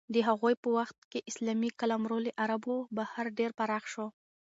د هغوی په وخت کې اسلامي قلمرو له عربو بهر ډېر پراخ شو.